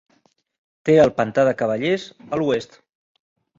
Té el Pantà de Cavallers a l'oest.